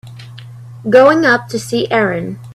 Going up to see Erin.